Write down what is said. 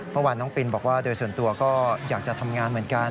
เมื่อวานน้องปินบอกว่าโดยส่วนตัวก็อยากจะทำงานเหมือนกัน